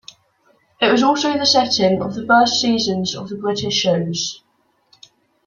It was also the setting of the first seasons of the British shows.